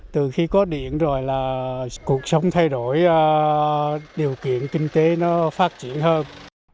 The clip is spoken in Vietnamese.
từ khi có điện rồi là cuộc sống thay đổi điều kiện kinh tế nó phát triển hơn